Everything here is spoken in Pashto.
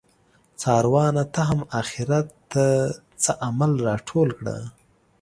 څاروانه ته هم اخیرت ته څه عمل راټول کړه